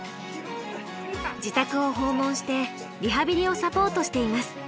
自宅を訪問してリハビリをサポートしています。